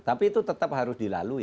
tapi itu tetap harus dilalui